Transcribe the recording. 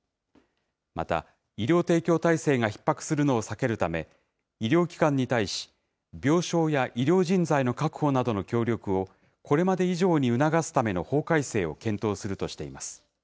また、医療提供体制がひっ迫するのを避けるため、医療機関に対し、病床や医療人材の確保などの協力を、これまで以上に促すための法改正を検討するとしています。